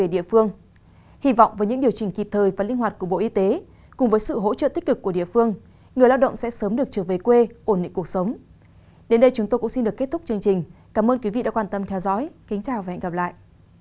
đến đây chúng tôi cũng xin được kết thúc chương trình cảm ơn quý vị đã quan tâm theo dõi kính chào và hẹn gặp lại